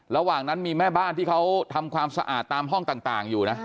ระหว่างนั้นมีแม่บ้านที่เขาทำความสะอาดตามห้องต่างอยู่นะ